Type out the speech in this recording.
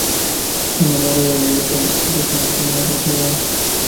Se enamora de Bella tan pronto como se muda a la ciudad.